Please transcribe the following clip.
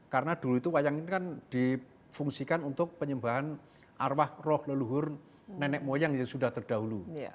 karena dulu itu wayang ini kan difungsikan untuk penyembahan arwah roh leluhur nenek moyang yang sudah terdahulu